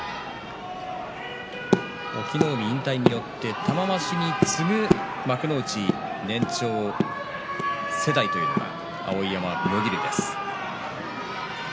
隠岐の海、引退によって玉鷲に次ぐ幕内年長世代というのが碧山、妙義龍です。